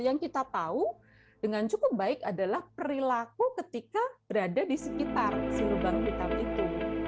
yang kita tahu dengan cukup baik adalah perilaku ketika berada di sekitar si lubang hitam itu